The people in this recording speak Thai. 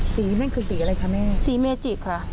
นั่นคือสีอะไรคะแม่สีเมจิค่ะ